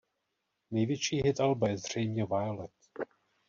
Největší hit alba je zřejmě "Violet".